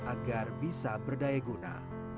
agar bisa berdaya guna